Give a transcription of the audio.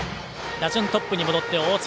打順トップに戻って、大坪。